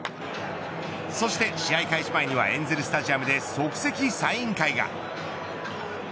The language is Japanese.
そして試合開始前にはエンゼルスタジアムでは即席サイン会が。